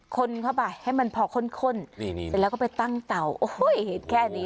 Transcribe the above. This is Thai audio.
คนเข้าไปให้มันพอข้นเสร็จแล้วก็ไปตั้งเต่าโอ้โหแค่นี้